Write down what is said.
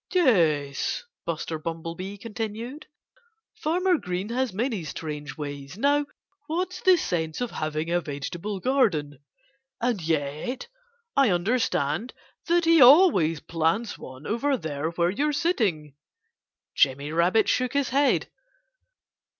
"Yes!" Buster Bumblebee continued. "Farmer Green has many strange ways. Now, what's the sense of having a vegetable garden? And yet I understand that he always plants one over there where you're sitting." Jimmy Rabbit shook his head.